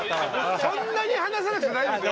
そんなに話さなくて大丈夫ですよ。